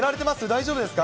大丈夫ですか。